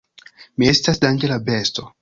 "Mi estas danĝera besto!"